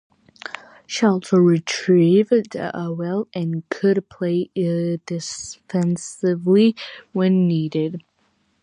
She also retrieved well and could play defensively when needed.